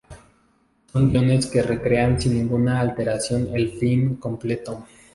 Son guiones que recrean sin ninguna alteración el film completo.